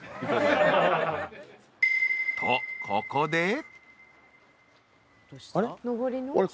［とここで］